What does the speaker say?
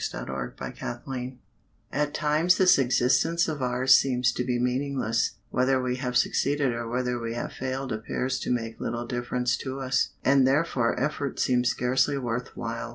A PSALM OF LIFE At times this existence of ours seems to be meaningless; whether we have succeeded or whether we have failed appears to make little difference to us, and therefore effort seems scarcely worth while.